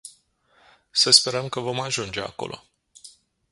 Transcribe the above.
Să sperăm că vom ajunge acolo.